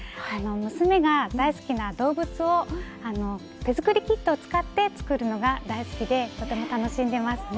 娘が大好きな動物を手作りキットを使って作るのが大好きでとても楽しんでますね。